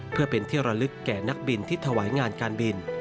เพื่อเป็นที่ระลึกแก่นักบินที่ถวายงานการบิน